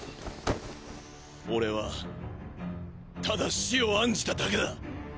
俺はただ師を案じただけだ。